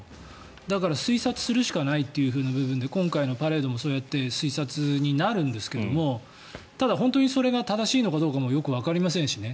だから推察するしかないという部分で今回のパレードもそうやって推察になるんですがただ本当にそれが正しいかもよくわかりませんしね。